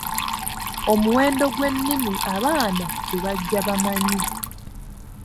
Omuwendo gw’ennimi abaana ze bajja bamanyi.